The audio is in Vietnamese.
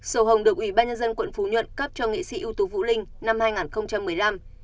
sổ hồng được ủy ban nhân dân quận phú nhuận cấp cho nghệ sĩ ưu tú vũ linh năm hai nghìn một mươi năm